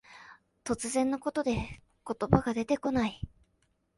突然のことで言葉が出てこない。